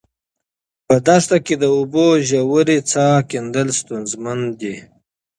په دښته کې د اوبو د ژورې څاه کیندل ستونزمن دي.